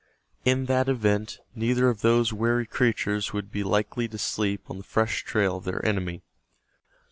In that event neither of those wary creatures would be likely to sleep on the fresh trail of their enemy.